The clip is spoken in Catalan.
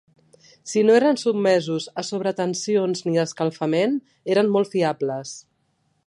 Si no eren sotmesos a sobretensions ni a escalfament eren molt fiables.